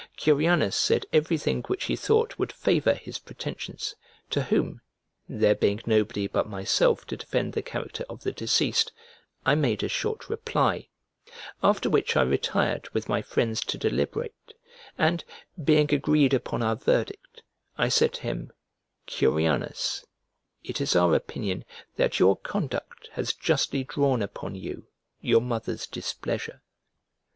Curianus said everything which he thought would favour his pretensions, to whom (there being nobody but myself to defend the character of the deceased) I made a short reply; after which I retired with my friends to deliberate, and, being agreed upon our verdict, I said to him, "Curianus, it is our opinion that your conduct has justly drawn upon you your mother's displeasure."